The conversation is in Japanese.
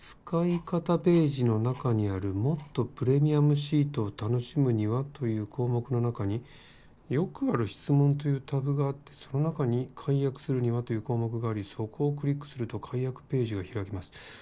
「『使い方』ページの中にある『もっとプレミアムシートを楽しむには』という項目の中に『よくある質問』というタブがあってその中に『解約するには？』という項目がありそこをクリックすると解約ページが開きます」。